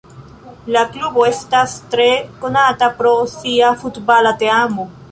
La klubo estas tre konata pro sia futbala teamo.